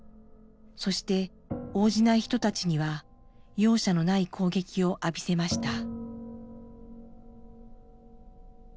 そして応じない人たちには容赦のない攻撃を浴びせました。